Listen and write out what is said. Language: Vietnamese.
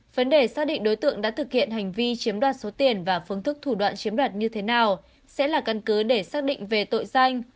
vấn đề xác định đối tượng đã thực hiện hành vi chiếm đoạt số tiền và phương thức thủ đoạn chiếm đoạt như thế nào sẽ là căn cứ để xác định về tội danh